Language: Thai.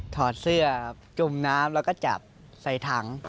ถอดเสื้อจมน้ำแล้วก็จับใส่ถัง